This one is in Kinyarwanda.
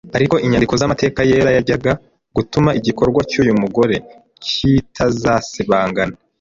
ariko inyandiko z'amateka yera yajyaga gutuma igikorwa cy'uyu mugore kitazasibangana